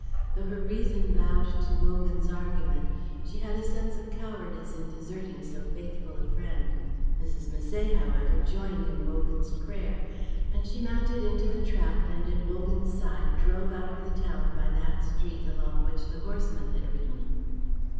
Though her reason bowed to Wogan's argument, she had a sense of cowardice in deserting so faithful a friend. Mrs. Misset, however, joined in Wogan's prayer; and she mounted into the trap and at Wogan's side drove out of the town by that street along which the horseman had ridden.